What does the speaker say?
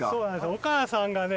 お母さんがね